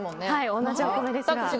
同じお米ですが。